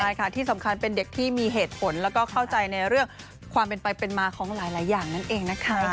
ใช่ค่ะที่สำคัญเป็นเด็กที่มีเหตุผลแล้วก็เข้าใจในเรื่องความเป็นไปเป็นมาของหลายอย่างนั่นเองนะคะ